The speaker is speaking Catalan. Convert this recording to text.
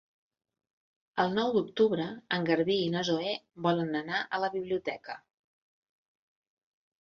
El nou d'octubre en Garbí i na Zoè volen anar a la biblioteca.